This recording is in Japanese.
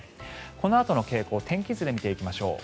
このあとの傾向天気図で見ていきましょう。